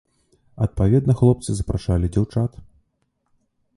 Адпаведна хлопцы запрашалі дзяўчат.